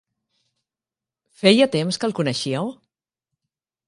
Feia temps que el coneixíeu?